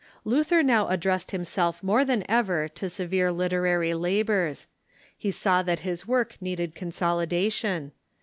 Luther now addressed himself more than ever to severe literary labors. He saw that his Avork needed consolidation.